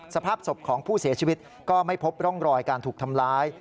สภาพศพของผู้เสียชีวิตก็ไม่พบร่องรอยการถูกทำร้าย